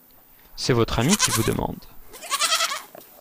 C’est votre ami qui vous demande…